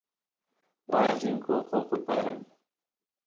waas rinku oqoquy paran